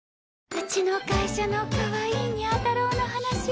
うちの会社のかわいいにゃ太郎の話。